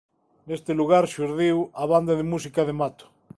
Neste lugar xurdiu a Banda de música de Mato.